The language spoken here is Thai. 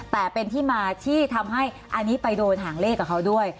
แต่เป็นที่มาที่ทำให้อันนี้ไปโดนหางเลขกับเขาด้วย